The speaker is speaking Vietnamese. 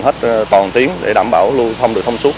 hết toàn tuyến để đảm bảo lưu thông được thông suốt